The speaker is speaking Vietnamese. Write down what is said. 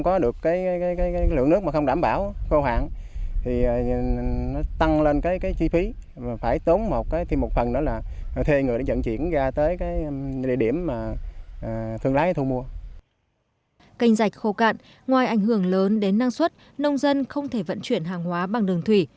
canh rạch khô cạn ngoài ảnh hưởng lớn đến năng suất nông dân không thể vận chuyển hàng hóa bằng đường thủy